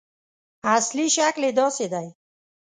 اصلي شکل یې داسې دی.